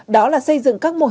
đó là xây dựng các mô hình